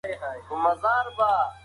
د مکروریانو بلاکونه په تیاره کې پټ وو.